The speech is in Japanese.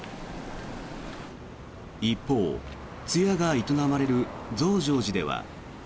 一方、通夜が営まれる増上寺では。